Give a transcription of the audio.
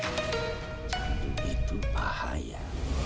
jangan lupa like share dan subscribe ya